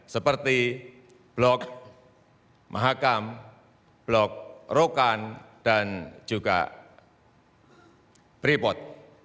seperti blok mahakam blok rokan dan juga freeport